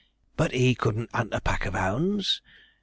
But he couldn't 'unt a pack of 'ounds.